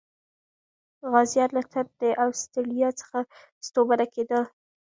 غازیان له تندې او ستړیا څخه ستومانه کېدل.